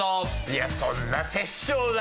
いやそんな殺生な。